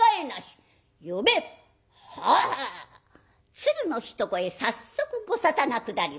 鶴の一声早速ご沙汰が下ります。